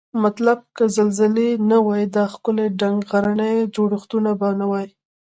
مطلب که زلزلې نه وای دا ښکلي دنګ غرني جوړښتونه به نوای